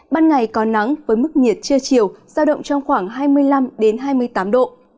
ban ngày có nắng với mức nhiệt trưa chiều giao động trong khoảng hai mươi năm hai mươi tám độ